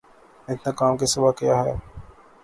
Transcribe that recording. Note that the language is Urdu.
انتقام کے سوا کیا ہے۔